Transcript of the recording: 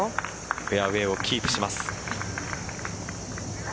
フェアウエーをキープします。